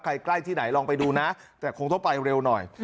ใกล้ที่ไหนลองไปดูนะแต่คงต้องไปเร็วหน่อย